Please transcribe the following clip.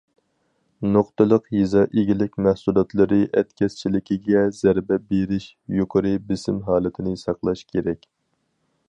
نۇقتىلىق يېزا ئىگىلىك مەھسۇلاتلىرى ئەتكەسچىلىكىگە زەربە بېرىش يۇقىرى بېسىم ھالىتىنى ساقلاش كېرەك.